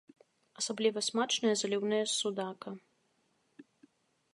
Асабліва смачныя заліўныя з судака.